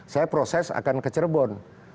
saya proses akan ke cirebon